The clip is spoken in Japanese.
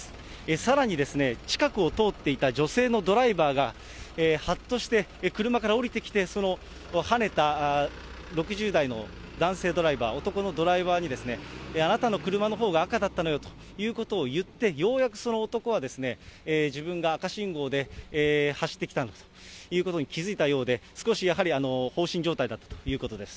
さらに、近くを通っていた女性のドライバーが、はっとして車から降りてきて、そのはねた６０代の男性ドライバー、男のドライバーにですね、あなたの車のほうが赤だったのよということを言って、ようやくその男は、自分が赤信号で走ってきたということに気付いたようで、少しやはり放心状態だったということです。